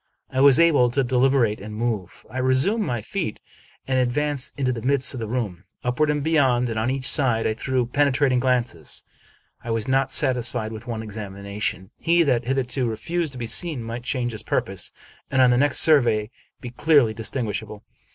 I was able to deliberate and move. I resumed my feet, and advanced into the midst of the room. Upward, and behind, and on each side, I threw penetrating glances. I was not satisfied with one examination. He that hitherto refused to be seen might change his purpose, and on the next survey be clearly distinguishable.